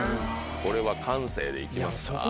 これは感性で行きますか。